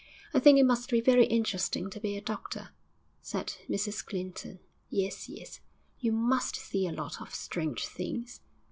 'I think it must be very interesting to be a doctor,' said Mrs Clinton. 'Yes, yes.' 'You must see a lot of strange things.'